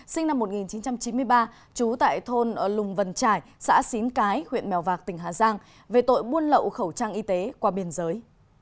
sinh năm một nghìn chín trăm chín mươi ba trú tại thôn lùng vân trải xã xín cái huyện mèo vạc tỉnh hà giang về tội buôn lậu khẩu trang y tế qua biên giới